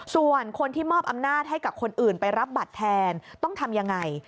ส่วนคนที่มอบอำนาจให้กับคนอื่นไปรับบัตรแทนต้องทำยังไง